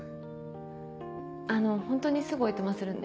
あのホントにすぐおいとまするんで。